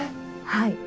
はい。